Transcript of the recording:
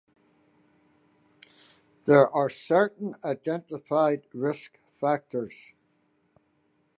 There are certain identified risk factors.